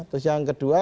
terus yang kedua